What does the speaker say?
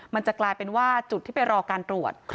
มันจะกลายเป็นว่าจุดที่ไปรอการตรวจ